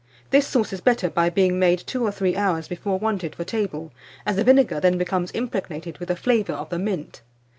This sauce is better by being made 2 or 3 hours before wanted for table, as the vinegar then becomes impregnated with the flavour of the mint.